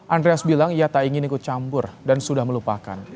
andreas bilang ia tak ingin ikut campur dan sudah melupakan